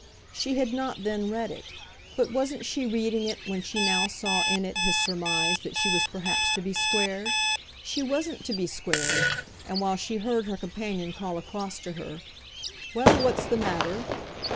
She had not then read it but wasn't she reading it when she now saw in it his surmise that she was perhaps to be squared? She wasn't to be squared, and while she heard her companion call across to her "Well, what's the matter?"